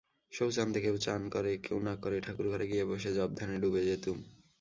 শৌচান্তে কেউ চান করে, কেউ না করে ঠাকুরঘরে গিয়ে বসে জপধ্যানে ডুবে যেতুম।